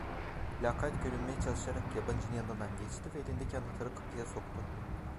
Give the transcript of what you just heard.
Lakayt görünmeye çalışarak yabancının yanından geçti ve elindeki anahtarı kapıya soktu.